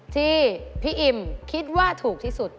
ที่พี่อิ่มคิดว่าถูกที่สุด